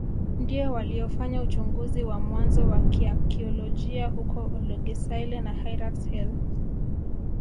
Ndio waliofanya uchunguzi wa mwanzo wa kiakiolojia huko Olorgesailie na Hyrax Hill